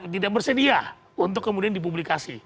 tidak bersedia untuk kemudian dipublikasi